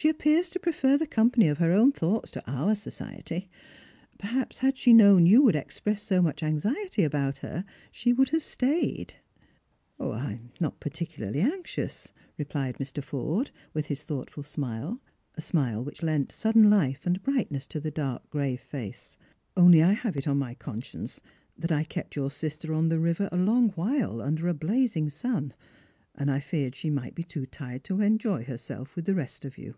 " She appears to prefer the company of her own thoughts to our society. Perhaps had she known you would express so much anxiety about her she would have stayed." " I am not pai ticularly anxious," replied Mr. Forde, with hia thoughtful smile, a smile which lent sudden life and brightness to the dark grave face. " Only I have it on my conscience that I kept your sister on the river a long while under a blazing sun, and I feared she might be too tired to enjoy herself with the rest of you.